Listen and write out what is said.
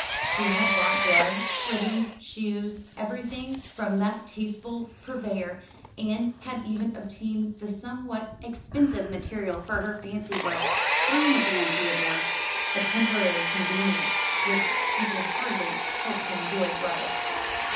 She had bought gloves, ribbons, shoes, everything from that tasteful purveyor, and had even obtained the somewhat expensive material for her fancy work through Madame Theodore; a temporary convenience which she could hardly hope to enjoy gratis.